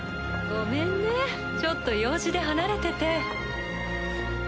ごめんねちょっと用事で離れてて。